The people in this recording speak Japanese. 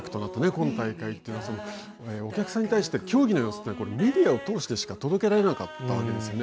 今大会はお客さんに対して競技の様子というのはメディアを通してしか届けられなかったわけですよね。